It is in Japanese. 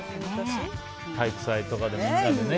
体育祭とか、みんなでね。